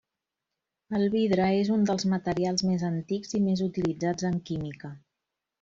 El vidre és un dels materials més antics i més utilitzats en química.